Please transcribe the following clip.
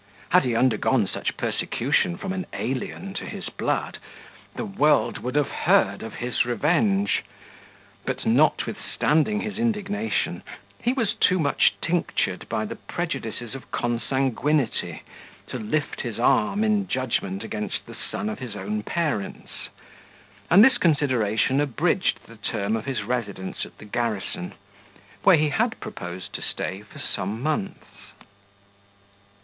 Had he undergone such persecution from an alien to his blood, the world would have heard of his revenge; but, notwithstanding his indignation, he was too much tinctured by the prejudices of consanguinity, to lift his arm in judgment against the son of his own parents; and this consideration abridged the term of his residence at the garrison, where he had proposed to stay for some months.